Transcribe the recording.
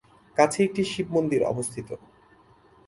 কাছেই একটি শিব মন্দির অবস্থিত।